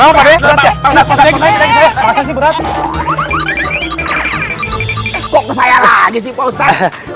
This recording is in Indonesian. kok ke saya lagi sih pak ustadz